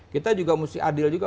kita juga mesti adil juga